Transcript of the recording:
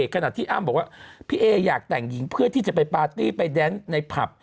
ขณะที่อ้ำบอกว่าพี่เออยากแต่งหญิงเพื่อที่จะไปปาร์ตี้ไปแดนในผับ